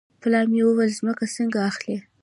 پلار مې وویل ځمکه څنګه اخلې.